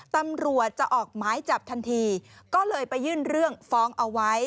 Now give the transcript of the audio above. ตำรวจจะออกหมายจับทันทีก็เลยไปยื่นเรื่องฟ้องเอาไว้